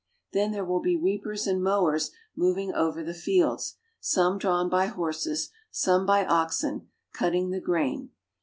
Then there will be reapers and mowers moving over the fields, some drawn by horses, some by oxen, cutting the grain.